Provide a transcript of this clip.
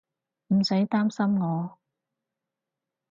唔使擔心我